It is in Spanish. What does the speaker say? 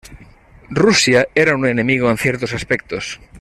Rusia era un "enemigo en ciertos aspectos".